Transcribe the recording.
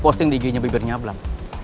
posting di ig nya bibirnya ablam